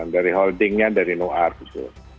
dari holdingnya dari noart